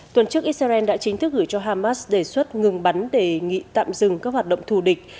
tuần trước israel đã chính thức gửi cho hamas đề xuất ngừng bắn để nghị tạm dừng các hoạt động thù địch